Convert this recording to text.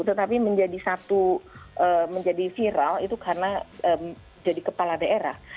tetapi menjadi satu menjadi viral itu karena jadi kepala daerah